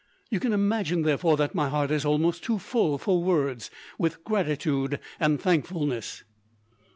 You can imagine, therefore, that my heart is almost too full for words, with gratitude and thankfulness."